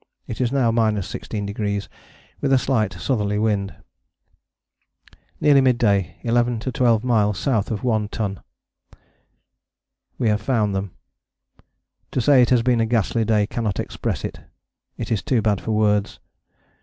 It is now 16°, with a slight southerly wind. Nearly mid day. 11 12 miles south of One Ton. We have found them to say it has been a ghastly day cannot express it it is too bad for words.